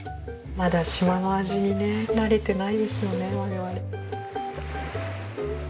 まだ島の味にね慣れてないですよね我々。